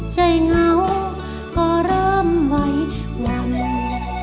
ใจเหงาก็เริ่มไว้วัน